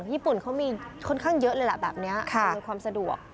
ญี่ปุ่นเขามีค่อนข้างเยอะเลยแหละแบบนี้อำนวยความสะดวก